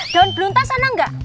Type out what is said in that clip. daun beluntas sana gak